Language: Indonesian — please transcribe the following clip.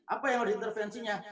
apa yang harus diintervensinya